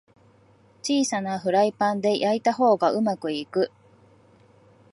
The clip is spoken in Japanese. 小さなフライパンで焼いた方がうまくいく